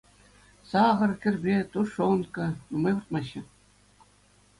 Сахӑр, кӗрпе, тушенка нумай выртмаҫҫӗ.